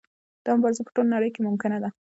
دا مبارزه په ټوله نړۍ کې ممکنه ده.